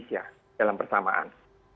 seluruh indonesia dalam bersamaan